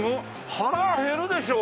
腹減るでしょう！